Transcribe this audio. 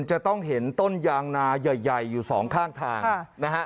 จะต้องเห็นต้นยางนาใหญ่อยู่สองข้างทางนะฮะ